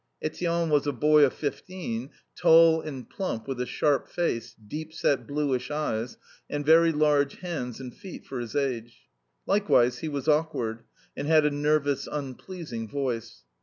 Etienne was a boy of fifteen, tall and plump, with a sharp face, deep set bluish eyes, and very large hands and feet for his age. Likewise he was awkward, and had a nervous, unpleasing voice.